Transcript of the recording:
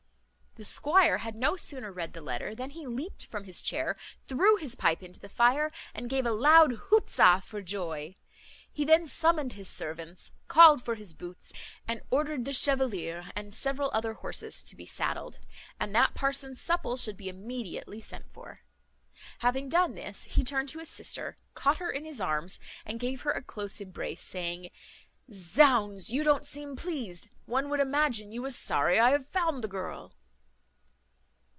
The squire had no sooner read the letter than he leaped from his chair, threw his pipe into the fire, and gave a loud huzza for joy. He then summoned his servants, called for his boots, and ordered the Chevalier and several other horses to be saddled, and that parson Supple should be immediately sent for. Having done this, he turned to his sister, caught her in his arms, and gave her a close embrace, saying, "Zounds! you don't seem pleased; one would imagine you was sorry I have found the girl."